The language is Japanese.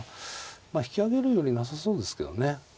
引き揚げるよりなさそうですけどね。